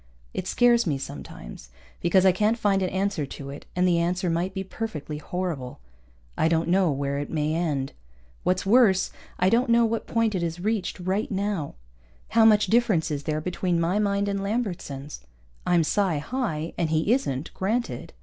It scares me, sometimes, because I can't find an answer to it and the answer might be perfectly horrible. I don't know where it may end. What's worse, I don't know what point it has reached right now. How much difference is there between my mind and Lambertson's? I'm psi high, and he isn't granted.